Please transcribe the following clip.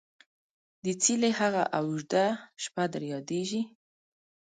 دڅيلې هغه او ژده شپه در ياديژي ?